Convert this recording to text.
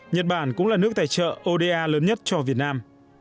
nhật bản cũng là nước tài trợ oda lớn nhất cho việt nam